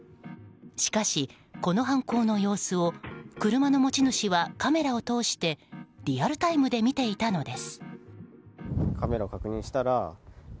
しかし、この犯行の様子を車の持ち主はカメラを通してリアルタイムで見ていたのです。